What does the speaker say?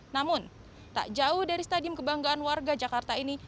namun tak jauh dari stadium kebanggaan warga jakarta ini